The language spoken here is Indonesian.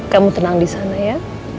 kamu tenang di sana ya